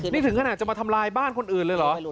นี่ถึงขนาดจะมาทำลายบ้านคนอื่นเลยเหรอ